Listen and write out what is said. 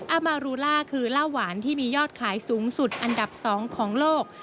อามารูล่าคือล่าหวานที่มียอดขายสูงสุดอันดับ๒ของโลก